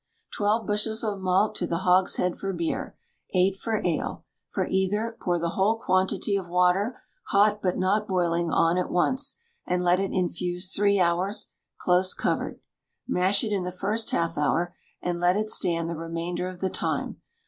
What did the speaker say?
Twelve bushels of malt to the hogshead for beer, eight for ale; for either, pour the whole quantity of water, hot, but not boiling, on at once, and let it infuse three hours, close covered; mash it in the first half hour, and let it stand the remainder of the time.